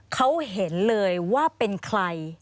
เขาเห็นเลยว่าเป็นใคร